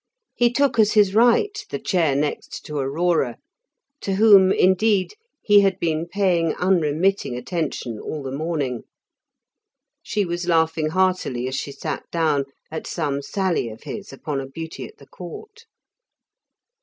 He took as his right the chair next to Aurora, to whom, indeed, he had been paying unremitting attention all the morning. She was laughing heartily as she sat down, at some sally of his upon a beauty at the Court.